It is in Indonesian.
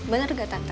bener gak tante